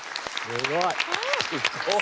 すごい。